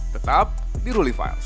tetap di ruling files